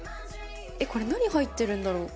えっこれ何入ってるんだろう？